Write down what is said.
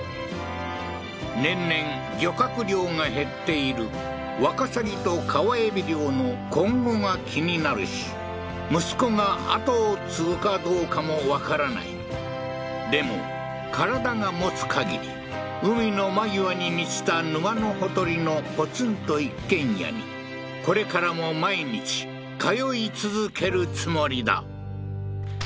年々漁獲量が減っているワカサギと川エビ漁の今後が気になるし息子が跡を継ぐかどうかもわからないでも体がもつかぎり海の間際に満ちた沼のほとりのポツンと一軒家にこれからも毎日通い続けるつもりだ